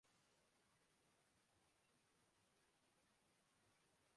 اخوان المسلمین بطور تنظیم دہشت گردی کے کسی